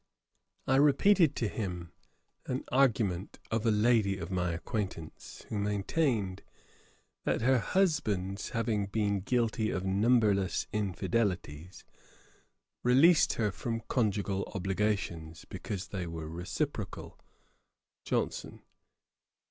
I repeated to him an argument of a lady of my acquaintance, who maintained, that her husband's having been guilty of numberless infidelities, released her from conjugal obligations, because they were reciprocal. JOHNSON.